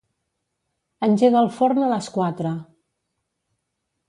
Engega el forn a les quatre.